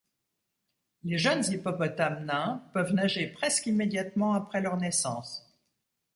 Les jeunes hippopotames nains peuvent nager presque immédiatement après leur naissance.